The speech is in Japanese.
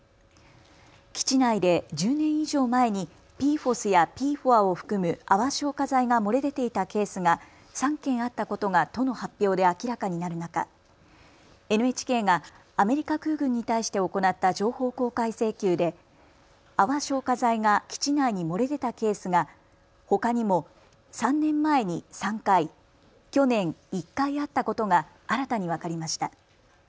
基地内で１０年以上前にＰＦＯＳやＰＦＯＡを含む泡消火剤が漏れ出ていたケースが３件あったことが都の発表で明らかになる中、ＮＨＫがアメリカ空軍に対して行った情報公開請求で泡消火剤が基地内に漏れ出たケースがほかにも３年前に３回、去年１回あったことが新たに分かりました。